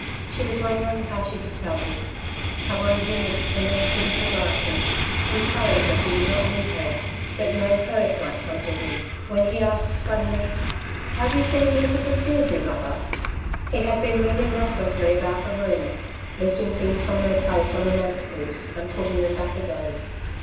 She was wondering how she could tell him, covering him with tender, pitiful glances, and praying that he would not leave her, that no hurt might come to him, when he asked suddenly: "Have you seen anything of Deirdre, mother?" He had been moving restlessly about the room, lifting things from their place on the mantelpiece and putting them back again.